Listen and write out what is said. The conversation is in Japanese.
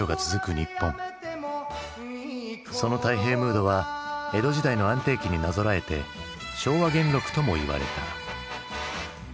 その太平ムードは江戸時代の安定期になぞらえて「昭和元禄」ともいわれた。